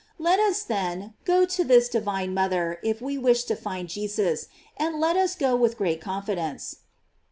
Let us, then, go to this divine mother if we wish to find Jesus; and let us go with great confidence.